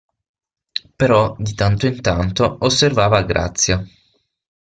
Però di tanto in tanto osservava Grazia.